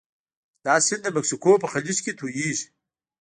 دا سیند د مکسیکو په خلیج کې تویږي.